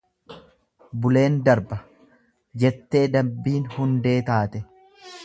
Buleen darba, jettee dambiin hundee taate.